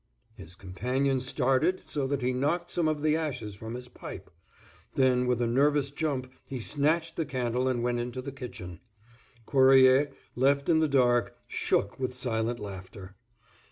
His companion started so that he knocked some of the ashes from his pipe, then with a nervous jump he snatched the candle and went into the kitchen. Cuerrier, left in the dark, shook with silent laughter.